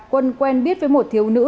quân quen biết với một thiếu nữ